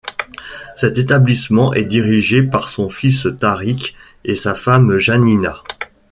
Cet établissement est dirigé par son fils Tarik et sa femme Janina.